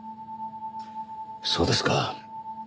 そうですか。